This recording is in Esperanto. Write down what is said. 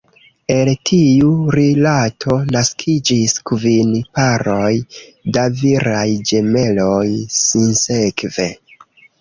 El tiu rilato naskiĝis kvin paroj da viraj ĝemeloj, sinsekve.